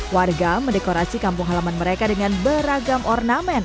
warga mendekorasi kampung halaman mereka dengan beragam ornamen